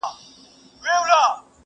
مور هم خاموشه سيبې تېروي